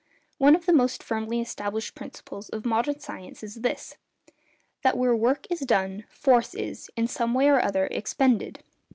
One of the most firmly established principles of modern science is this—that where work is done, force is, in some way or other, expended.